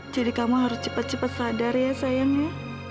jadi kamu harus cepat cepat sadar ya sayangnya